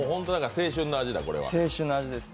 青春の味ですね。